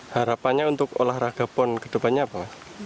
harapannya untuk olahraga pon kedepannya apa